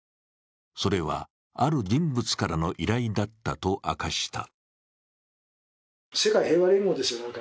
それは、ある人物からの依頼だったと明かした。